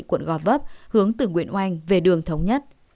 quận gò vấp hướng từ nguyễn oanh về đường thống nhất